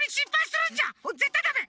ぜったいダメ！